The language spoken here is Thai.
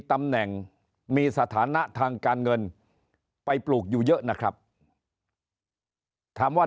ตำแหน่งมีสถานะทางการเงินไปปลูกอยู่เยอะนะครับถามว่า